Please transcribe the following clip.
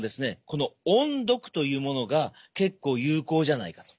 この音読というものが結構有効じゃないかと。